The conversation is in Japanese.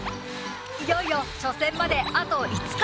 いよいよ初戦まであと５日。